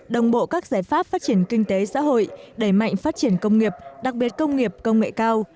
đồng bộ các giải pháp phát triển kinh tế xã hội đẩy mạnh phát triển công nghiệp đặc biệt công nghiệp công nghệ cao